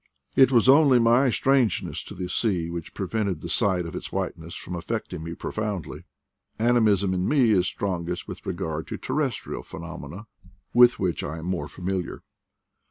It was only my strangeness to the sea which prevented the sight of its whiteness from affecting me profoundly : animism in me is strong est with regard to terrestrial phenomena, with which I am more familiar.